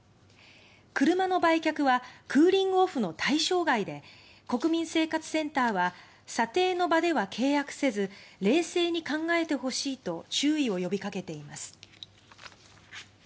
車の売却はクーリングオフの対象外で国民生活センターは査定の場では契約せず冷静に考えてほしいと注意を呼びかけています。